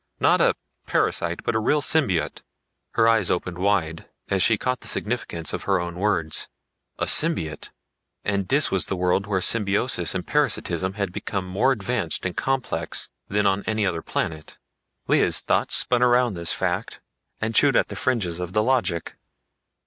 Not a parasite, but a real symbiote...." Her eyes opened wide as she caught the significance of her own words. A symbiote and Dis was the world where symbiosis and parasitism had become more advanced and complex than on any other planet. Lea's thoughts spun around this fact and chewed at the fringes of the logic.